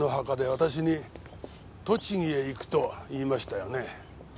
私に「栃木へ行く」と言いましたよね？